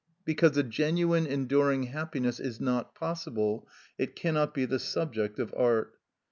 Because a genuine enduring happiness is not possible, it cannot be the subject of art.